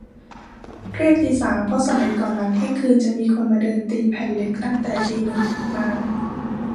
เรียกตีสาม เพราะสมัยก่อนหลังเที่ยงคืน จะมีคนมาเดินตีแผ่นเหล็กตั้งแต่ตีหนึ่งมา